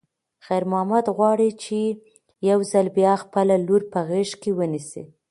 خیر محمد غواړي چې یو ځل بیا خپله لور په غېږ کې ونیسي.